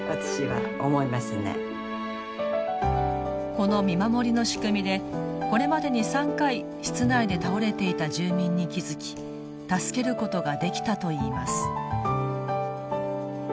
この見守りの仕組みでこれまでに３回室内で倒れていた住民に気付き助けることができたといいます。